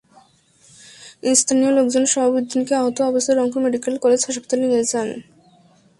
স্থানীয় লোকজন শাহাবুদ্দিনকে আহত অবস্থায় রংপুর মেডিকেল কলেজ হাসপাতালে নিয়ে যান।